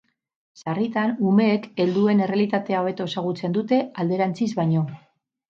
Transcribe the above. Sarritan umeek helduen errealitatea hobeto ezagutzen dute alderantziz baino.